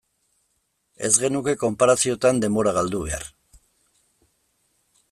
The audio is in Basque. Ez genuke konparazioetan denbora galdu behar.